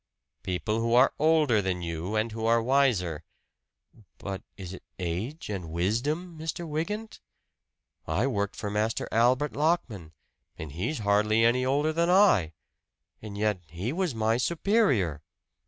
"People who are older than you, and who are wiser " "But is it age and wisdom, Mr. Wygant? I worked for Master Albert Lockman, and he's hardly any older than I. And yet he was my superior!"